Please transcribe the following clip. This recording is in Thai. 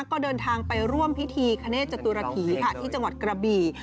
ก็เดินทางไปร่วมพิธีคเนธจตุรฐีค่ะที่จังหวัดกระบี่